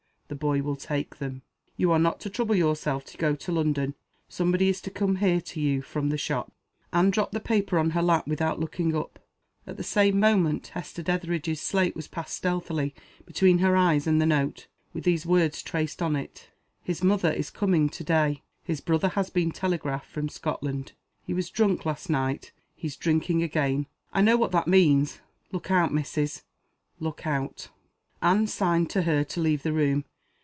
The boy will take them. You are not to trouble yourself to go to London. Somebody is to come here to you from the shop." Anne dropped the paper on her lap without looking up. At the same moment Hester Dethridge's slate was passed stealthily between her eyes and the note with these words traced on it. "His mother is coming to day. His brother has been telegraphed from Scotland. He was drunk last night. He's drinking again. I know what that means. Look out, missus look out." Anne signed to her to leave the room.